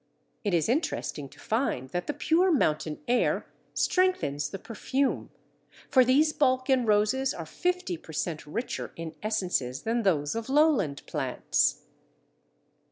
It is interesting to find that the pure mountain air strengthens the perfume, for these Balkan roses are fifty per cent. richer in essences than those of lowland plants.